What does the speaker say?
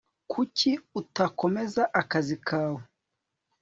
Kuki utakomeza akazi kawe